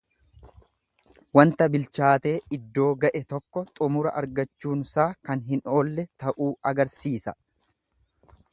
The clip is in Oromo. Wanta bilchaatee iddoo ga'e tokko xumura argachuunsaa kan hin oolle ta'uu agarsiisa.